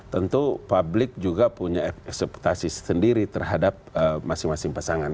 tentu publik juga punya ekspektasi sendiri terhadap masing masing pasangan